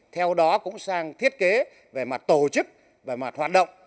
theo đó cũng sang thiết kế về mặt tổ chức về mặt hoạt động